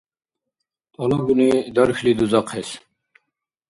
Тӏалабуни дархьли дузахъес